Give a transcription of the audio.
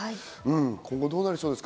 今後どうなりそうですか？